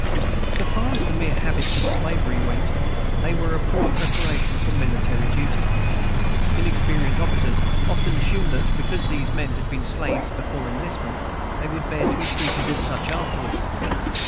So far as the mere habits of slavery went, they were a poor preparation for military duty. Inexperienced officers often assumed that, because these men had been slaves before enlistment, they would bear to be treated as such afterwards.